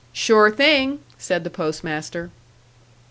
"Sure thing!" said the Post master.